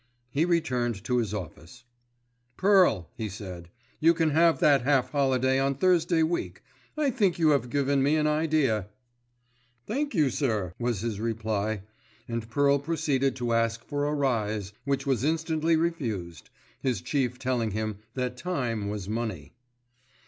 He returned to his office. "Pearl," he said, "you can have that half holiday on Thursday week. I think you have given me an idea." "Thank you, sir," was his reply, and Pearl proceeded to ask for a rise, which was instantly refused, his chief telling him that time was money.